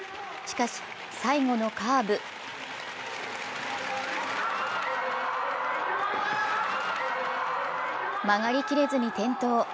しかし、最後のカーブ曲がりきれずに転倒。